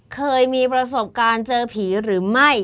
เคยมีประสบการณ์เจอผีหรือไม่